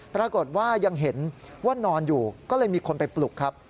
ปรากฏว่ายังเห็นว่านอนอยู่ก็เลยมีคนไปปลุกครับ